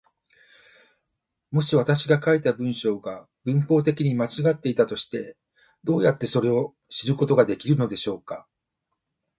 もし私が書いた文章が文法的に間違っていたとして、どうやってそれを知ることができるのでしょうか。